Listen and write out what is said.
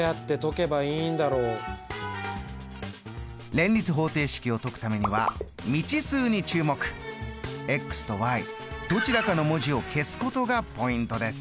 連立方程式を解くためにはとどちらかの文字を消すことがポイントです。